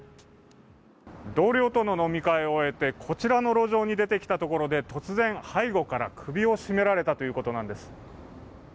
同僚との飲み会を終えてこちらの路上に出てきたところで、突然、背後から首を絞められたということなんです。